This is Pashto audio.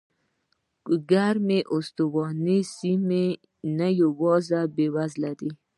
ګرمې استوایي سیمې نه یوازې بېوزله دي.